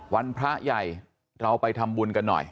พระใหญ่เราไปทำบุญกันหน่อย